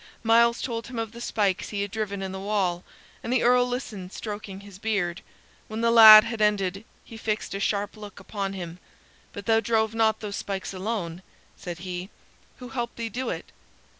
Myles told him of the spikes he had driven in the wall, and the Earl listened, stroking his beard. When the lad had ended, he fixed a sharp look upon him. "But thou drove not those spikes alone," said he; "who helped thee do it?"